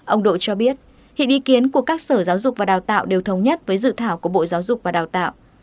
ông độ cho biết hiện ý kiến của các sở giáo dục và đào tạo đều thống nhất với dự thảo của bộ giáo dục và đào tạo